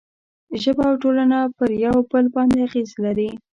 ژبه او ټولنه پر یو بل باندې اغېز لري.